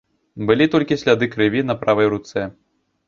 Былі толькі сляды крыві на правай руцэ.